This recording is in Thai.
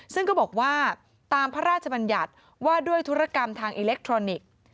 ซึ่งก็บอกว่าตามพระราชบัญญัติว่าด้วยธุรกรรมทางอิเล็กทรอนิกส์